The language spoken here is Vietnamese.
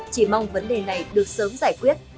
chỉ mong vấn đề này được sớm giải quyết